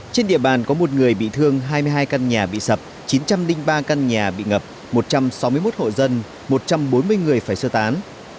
trên địa bàn có một người bị thương hai mươi hai căn nhà bị sập chín trăm linh ba căn nhà bị ngập một trăm sáu mươi một hộ dân một trăm bốn mươi người phải sơ tán